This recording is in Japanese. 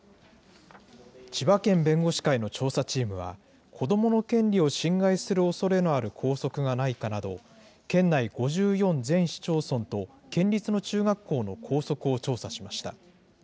千葉県弁護士会の調査チームは、子どもの権利を侵害するおそれのある校則がないかなど、県内５４全市町村と県立の中学校の校則を調査しました。